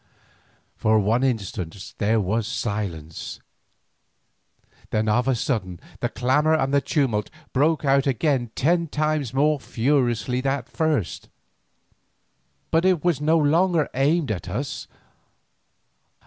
For one instant there was silence, then of a sudden the clamour and the tumult broke out again ten times more furiously than at first. But it was no longer aimed at us.